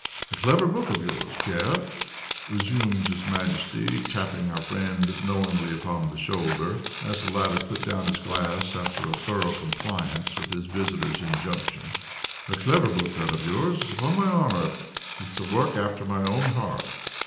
"A clever book that of yours, Pierre," resumed his Majesty, tapping our friend knowingly upon the shoulder, as the latter put down his glass after a thorough compliance with his visitor's injunction. "A clever book that of yours, upon my honor. It's a work after my own heart.